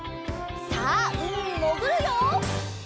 さあうみにもぐるよ！